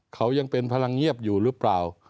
เขายังเป็นพลังเงียบอยู่หรือเปล่า